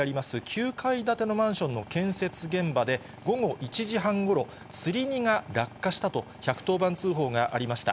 ９階建てのマンションの建設現場で、午後１時半ごろ、つり荷が落下したと、１１０番通報がありました。